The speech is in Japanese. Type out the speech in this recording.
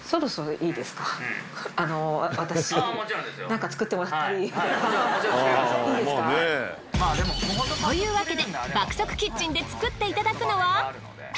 いいですか？というわけで爆速キッチンで作っていただくのは？